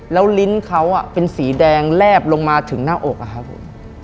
แล้วลิ้นเขาเป็นสีแดงแลบลงมาถึงหน้าอกอะครับผม